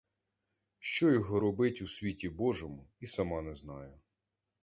Що його робить у світі божому, і сама не знаю.